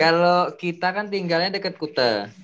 kalau kita kan tinggalnya deket kute